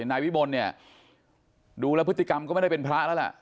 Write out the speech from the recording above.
นายวิมลเนี่ยดูแล้วพฤติกรรมก็ไม่ได้เป็นพระแล้วล่ะ